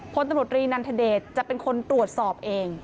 พลตำรวจรีนันทเดชจะเป็นคนตรวจสอบเอง